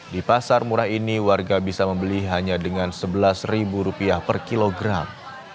di pasar murah ini warga bisa membeli hanya dengan rp sebelas per kilogram